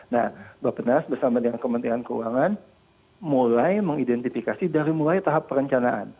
nah bapak penas bersama dengan kementerian keuangan mulai mengidentifikasi dari mulai tahap perencanaan